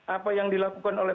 apa yang dilakukan oleh